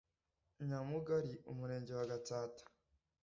Nyamugali umurenge wa gatsata